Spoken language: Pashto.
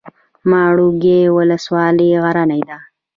ماڼوګي ولسوالۍ غرنۍ ده؟